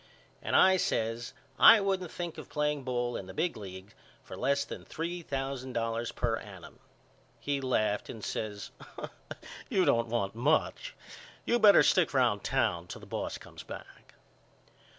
and I says I wouldn't think of playing ball in the big league for less than three thousand dollars per annum. He laughed and says You don't want much. You better stick round town till the boss comes back.